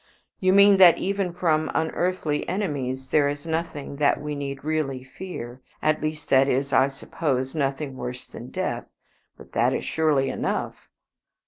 You mean that even from unearthly enemies there is nothing that we need really fear at least, that is, I suppose, nothing worse than death. But that is surely enough!"